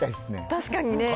確かにね。